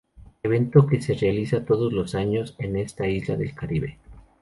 Evento que se realiza todos los años en esta isla del caribe.